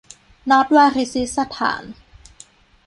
นอร์ทวาริซิสถาน